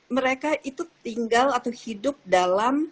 mereka itu tinggal atau hidup dalam